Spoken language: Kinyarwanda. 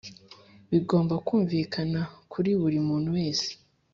bigomba kumvikana kuri buri muntu wese